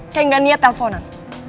kayak gak niat telfonan